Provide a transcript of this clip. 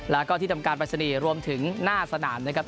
แล้วก็ที่ทำการปริศนีย์รวมถึงหน้าสนามนะครับ